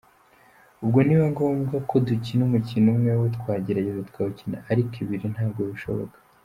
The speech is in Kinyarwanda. Ubwo nibiba ngombwa ko dukina umukino umwe wo twagerageza tukawukina ariko ibiri ntabwo bishoboka.